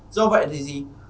do vậy thì gì